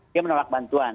dia menolak bantuan